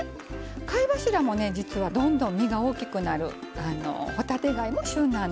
貝柱もね実はどんどん身が大きくなる帆立て貝も旬なんです。